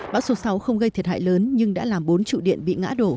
bão số sáu không gây thiệt hại lớn nhưng đã làm bốn trụ điện bị ngã đổ